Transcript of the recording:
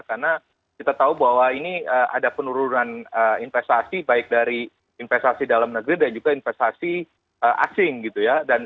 karena kita tahu bahwa ini ada penurunan investasi baik dari investasi dalam negeri dan juga investasi asing gitu ya